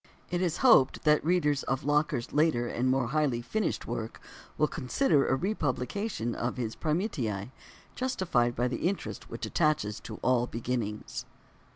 It is hoped that readers of Locker's later and more highly finished work will consider a republication of his "Primitiæ" justified by the interest which attaches to all beginnings.